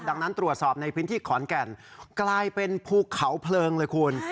ดังนั้นตรวจสอบในพื้นที่ขอนแก่นกลายเป็นภูเขาเพลิงเลยคุณ